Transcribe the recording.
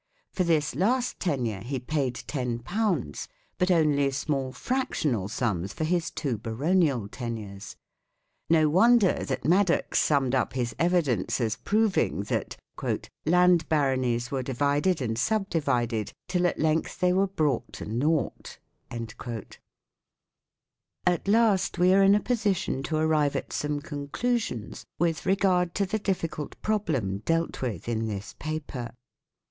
For this last tenure he paid 10, but only small fractional sums for his two baronial tenures. No wonder that Madox summed up his evidence as proving that " Land Baronies were divided and sub divided till at length they were brought to nought ". 2 At last we are in a position to arrive at some con clusions with regard to the difficult problem dealt with in this paper.